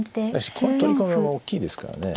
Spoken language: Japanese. この取り込みもおっきいですからね。